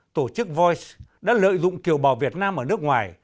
tổ chức voice đã lợi dụng kiều bào việt nam ở nước ngoài